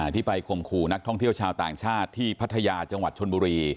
ที่ไปข่มขู่นักท่องเที่ยวชาวต่างชาติที่พัทยาจังหวัดชนบุรี